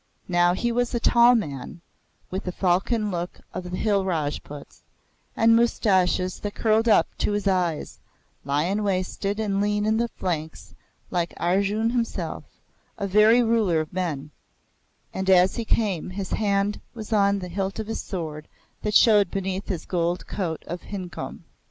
Now he was a tall man, with the falcon look of the Hill Rajputs, and moustaches that curled up to his eyes, lion waisted and lean in the flanks like Arjoon himself, a very ruler of men; and as he came, his hand was on the hilt of the sword that showed beneath his gold coat of khincob.